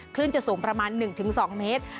คลื่นจะสูงประมาณ๑๒เมตร